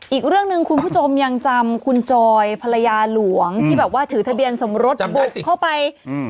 อีกเรื่องหนึ่งคุณผู้ชมยังจำคุณจอยภรรยาหลวงที่แบบว่าถือทะเบียนสมรสบุกเข้าไปอืม